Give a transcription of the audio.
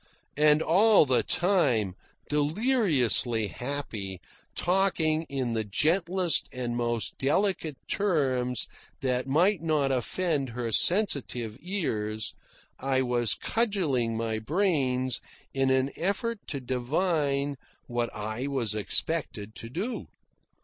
And all the time, deliriously happy, talking in the gentlest and most delicate terms that might not offend her sensitive ears, I was cudgelling my brains in an effort to divine what I was expected to do.